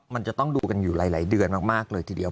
มันจะต้องดูกันอยู่หลายเดือนมากเลยทีเดียว